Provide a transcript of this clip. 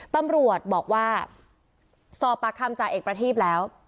ตำรวจบอกว่าสอปรักษณ์คำจาเอกประทีปแล้ว